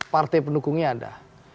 partai pendukungnya ada